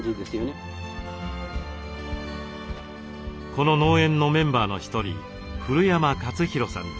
この農園のメンバーの一人古山勝博さんです。